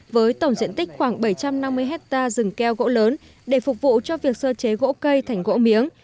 với tổng diện tích khoảng bảy trăm năm mươi hectare rừng keo gỗ lớn để phục vụ cho việc sơ chế gỗ cây thành gỗ miếng